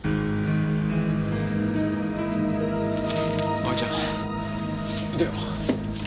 蒼ちゃん出よう。